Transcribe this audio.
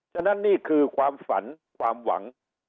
ฉะนั้นนี่คือความฝันความหวัง